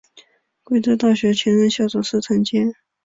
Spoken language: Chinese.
贵州大学前任校长是陈坚。